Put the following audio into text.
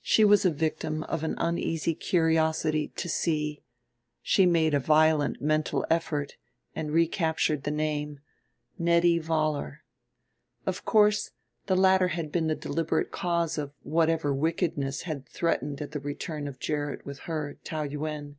She was a victim of an uneasy curiosity to see... she made a violent mental effort and recaptured the name Nettie Vollar. Of course the latter had been the deliberate cause of whatever wickedness had threatened at the return of Gerrit with her, Taou Yuen.